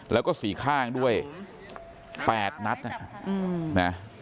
แล้วก็สี่ข้างด้วย๘นัดนะ